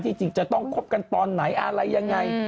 จริงจะต้องคบกันตอนไหนอะไรยังไง